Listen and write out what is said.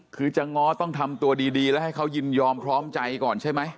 คือจะง้อต้องทำตัวดีแล้วให้เขายินยอมพร้อมใจก่อนใช่ไหม